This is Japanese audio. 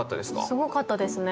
すごかったですね。